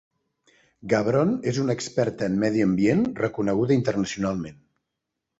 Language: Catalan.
Gavron es una experta en medi ambient reconeguda internacionalment.